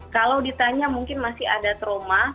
kalau ditanya mungkin masih ada trauma